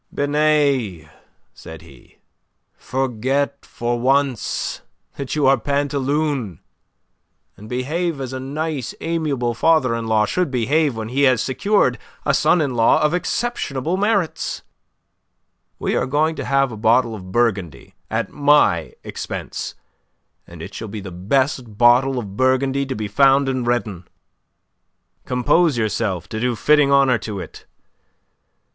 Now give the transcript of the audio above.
"Binet," said he, "forget for once that you are Pantaloon, and behave as a nice, amiable father in law should behave when he has secured a son in law of exceptionable merits. We are going to have a bottle of Burgundy at my expense, and it shall be the best bottle of Burgundy to be found in Redon. Compose yourself to do fitting honour to it.